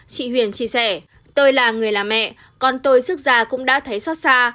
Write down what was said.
chị huyền chia sẻ tôi là người làm mẹ con tôi sức già cũng đã thấy xót xa